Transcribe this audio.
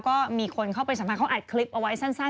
ก็มีคนเข้าไปสัมภาษณ์เขาอัดคลิปเอาไว้สั้น